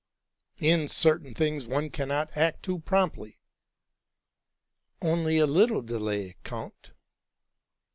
'''¢ In certain things one cannot act too promptly."' '¢ Only a little delay, count."